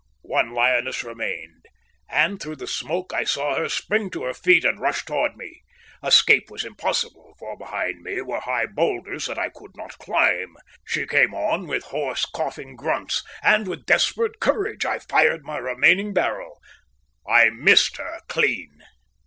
One lioness remained, and through the smoke I saw her spring to her feet and rush towards me. Escape was impossible, for behind me were high boulders that I could not climb. She came on with hoarse, coughing grunts, and with desperate courage I fired my remaining barrel. I missed her clean.